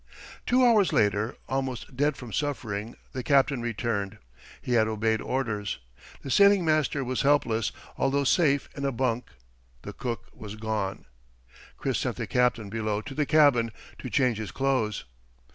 Two hours later, almost dead from suffering, the captain returned. He had obeyed orders. The sailing master was helpless, although safe in a bunk; the cook was gone. Chris sent the captain below to the cabin to change his clothes.